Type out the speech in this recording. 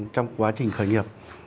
trong quá trình khởi nghiệp